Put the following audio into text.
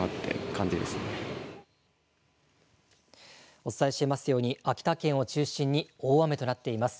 お伝えしていますように秋田県を中心に大雨となっています。